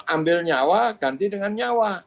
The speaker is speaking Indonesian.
ambil nyawa ganti dengan nyawa